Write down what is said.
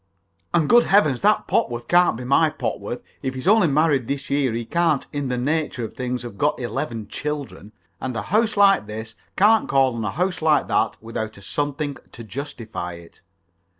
"And, good heavens! That Popworth can't be my Popworth. If he's only married this year, he can't, in the nature of things, have got eleven children. And a house like this can't call on a house like that without a something to justify it."